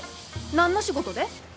何の仕事で？